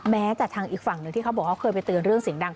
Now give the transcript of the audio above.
แม้แต่ทางอีกฝั่งหนึ่งที่เขาบอกเขาเคยไปเตือนเรื่องเสียงดัง